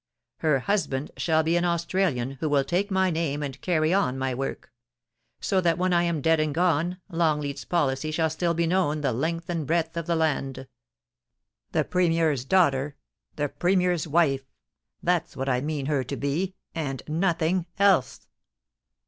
Her husband shall be an Aus tralian, who will take my name and carry on my work ; so that when I am dead and gone, Longleat's policy shall still be known the length and breadth of the land. The Premier's daughter — the Premier's w^ife — that's what I mean her to be, and nothing else.'